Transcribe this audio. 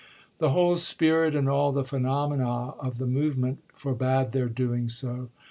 The whole spirit and all the phenomena of the movement forbade their doing so.